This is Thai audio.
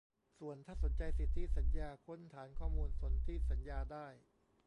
ส่วนถ้าสนใจสิทธิสัญญา ค้นฐานข้อมูลสนธิสัญญาได้